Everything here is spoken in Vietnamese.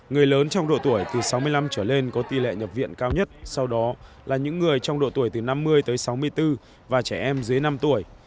người lớn trong độ tuổi từ sáu mươi năm trở lên có tỷ lệ nhập viện cao nhất sau đó là những người trong độ tuổi từ năm mươi tới sáu mươi bốn và trẻ em dưới năm tuổi